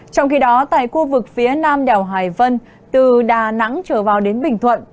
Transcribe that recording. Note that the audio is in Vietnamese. trong khi đó tại khu vực phía nam đèo hải vân từ đà nẵng trở vào đến bình thuận